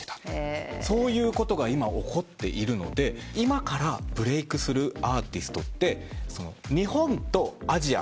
そういうことが今起こっているので今からブレークするアーティストって日本とアジア。